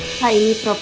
bisa di cek dulu